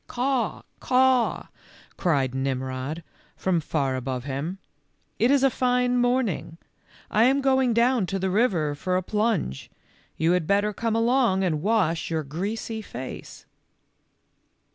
"Caw, caw," cried Nimrod, from far above him. " It is a fine morning. I am going down to the river for a plunge, you had better come along and wash your greasy face."